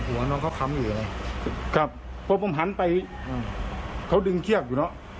หัวน้องเขาคำอยู่หรือไงครับเพราะผมหันไปเขาดึงเชือกอยู่น่ะ